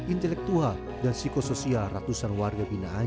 intelektual dan psikosoial ratusan warga binaan